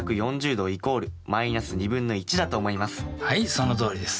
そのとおりです。